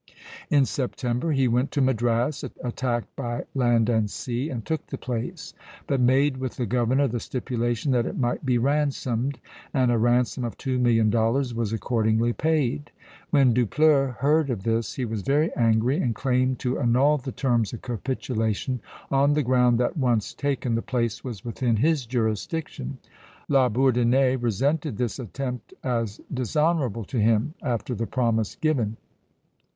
In September he went to Madras, attacked by land and sea, and took the place, but made with the governor the stipulation that it might be ransomed; and a ransom of two million dollars was accordingly paid. When Dupleix heard of this he was very angry, and claimed to annul the terms of capitulation on the ground that, once taken, the place was within his jurisdiction. La Bourdonnais resented this attempt as dishonorable to him after the promise given.